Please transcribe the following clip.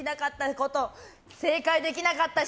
正解できなかった人